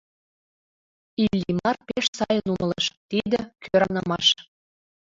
Иллимар пеш сайын умылыш: тиде — кӧранымаш.